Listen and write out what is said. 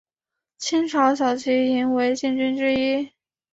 清朝骁骑营为禁军之一。